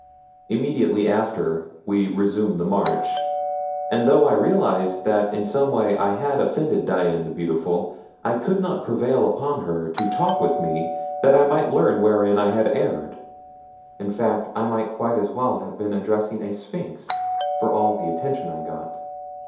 Immediately after we resumed the march, and though I realized that in some way I had offended Dian the Beautiful I could not prevail upon her to talk with me that I might learn wherein I had erred in fact I might quite as well have been addressing a sphinx for all the attention I got.